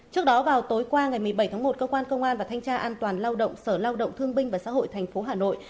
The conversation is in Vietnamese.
trước đó vào tối qua ngày một mươi bảy tháng một cơ quan công an và thanh tra an toàn lao động sở lao động thương binh và xã hội tp hà nội